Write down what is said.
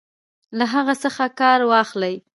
له هغه څخه کار واخلي.